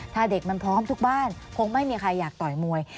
ถ้าเด็กมันพร้อมทุกบ้านคงไม่มีใครอยากต่อยมวย